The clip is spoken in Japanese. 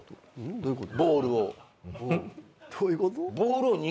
どういうこと？